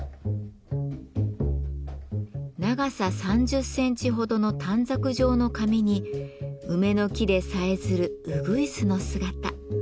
長さ３０センチほどの短冊状の紙に梅の木でさえずるうぐいすの姿。